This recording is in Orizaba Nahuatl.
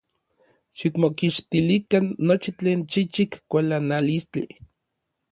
Xikmokixtilikan nochi tlen chichik kualanalistli.